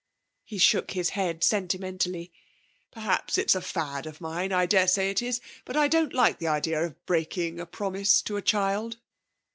He shook his head sentimentally. 'Perhaps it's a fad of mine; I daresay it is; but I don't like the idea of breaking a promise to a child!'